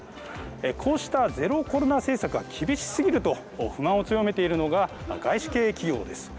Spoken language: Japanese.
こうしたゼロコロナ政策が厳しすぎると不満を強めているのが外資系企業です。